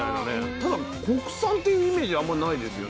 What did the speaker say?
ただ国産っていうイメージあんまないですよね。